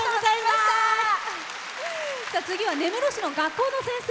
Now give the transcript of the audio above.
次は根室市の学校の先生。